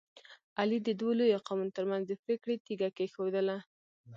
علي د دوو لویو قومونو ترمنځ د پرېکړې تیږه کېښودله.